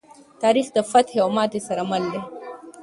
تاریخ د فتحې او ماتې سره مل دی.